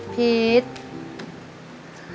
พีช